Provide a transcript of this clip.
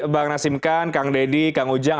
bang nasim khan kang ledi kang ujang